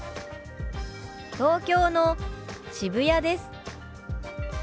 「東京の渋谷です」。